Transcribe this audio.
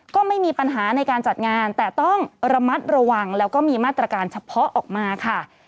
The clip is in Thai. ก็ไม่มีปัญหาในการจัดงานแต่ต้องระมัดระวังแล้วก็มีมาตรการเฉพาะออกมาค่ะ